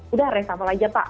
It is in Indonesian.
udah restafel aja pak